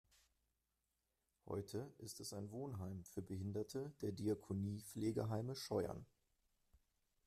Heute ist es ein Wohnheim für Behinderte der Diakonie-Pflegeheime Scheuern.